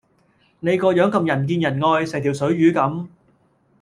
你個樣咁人見人愛，成條水魚咁